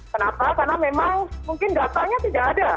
kenapa karena memang mungkin datanya tidak ada